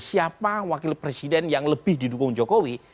siapa wakil presiden yang lebih didukung jokowi